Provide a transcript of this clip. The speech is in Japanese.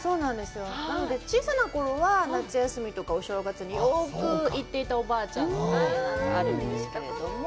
なので、小さなころは夏休みとか、お正月によく行っていたおばあちゃんの家があるんですけれども。